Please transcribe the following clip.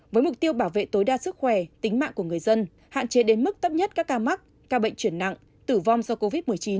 với mục tiêu bảo vệ tối đa sức khỏe tính mạng của người dân hạn chế đến mức thấp nhất các ca mắc ca bệnh chuyển nặng tử vong do covid một mươi chín